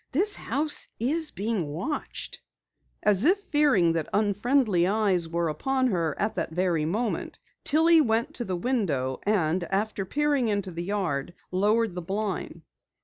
This house is being watched!" As if fearing that unfriendly eyes were upon her at that very moment, Tillie went to the window and after peering into the yard, lowered the blind.